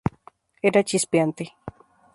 Era chispeante.